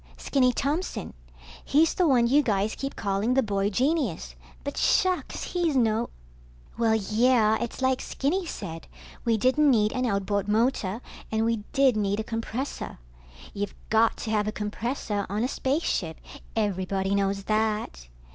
Skinny Thompson. He's the one you guys keep calling the boy genius, but shucks, he's no ... Well, yeah, it's like Skinny said, we didn't need an outboard motor, and we did need a compressor. You've got to have a compressor on a spaceship, everybody knows that.